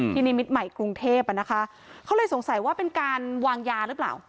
นิมิตรใหม่กรุงเทพอ่ะนะคะเขาเลยสงสัยว่าเป็นการวางยาหรือเปล่า